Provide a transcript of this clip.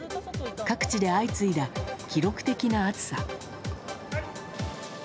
各地で相次いだ記録的な暑さ。